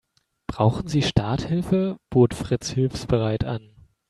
Brauchen Sie Starthilfe?, bot Fritz hilfsbereit an.